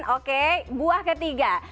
oke buah ketiga